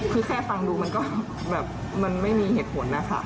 คือแค่ฟังดูมันก็แบบมันไม่มีเหตุผลนะคะ